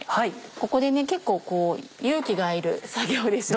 ここで結構勇気がいる作業ですよね。